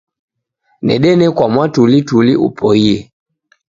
Nedenekwa mwatulituli upoie.